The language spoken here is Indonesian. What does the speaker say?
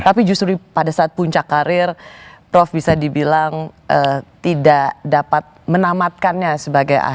tapi justru pada saat puncak karir prof bisa dibilang tidak dapat menamatkannya sebagai ahli